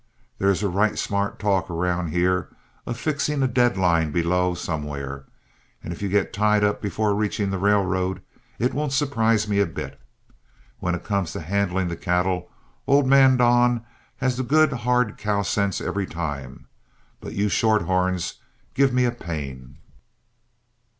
There's a right smart talk around here of fixing a dead line below somewhere, and if you get tied up before reaching the railroad, it won't surprise me a little bit. When it comes to handling the cattle, old man Don has the good hard cow sense every time, but you shorthorns give me a pain."